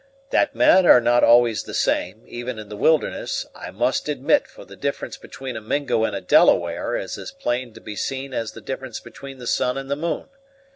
That men are not always the same, even in the wilderness, I must admit for the difference between a Mingo and a Delaware is as plain to be seen as the difference between the sun and the moon.